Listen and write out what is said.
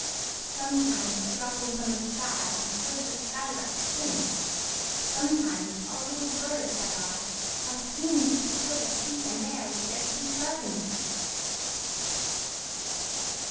Sometimes a dropping from the sky I heard the sky lark sing; Sometimes all little birds that are, How they seemed to fill the sea and air With their sweet jargoning!